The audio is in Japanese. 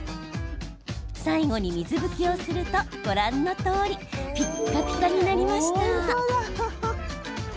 最後に水拭きをするとご覧のとおりピッカピカになりました。